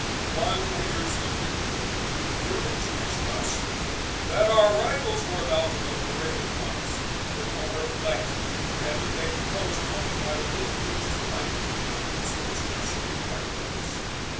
One winter's evening news reached us that our rivals were about to make a raid upon us under cover of night, and that they proposed coming by the little used plank bridge, so as to escape our notice.